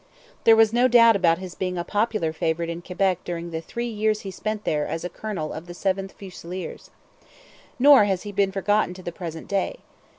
There was no doubt about his being a popular favourite in Quebec during the three years he spent there as colonel of the 7th Fusiliers. Nor has he been forgotten to the present day.